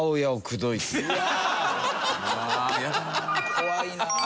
怖いなあ。